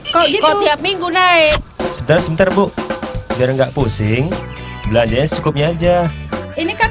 kok itu tiap minggu naik sederhana buk biar enggak pusing belanja cukupnya aja ini kan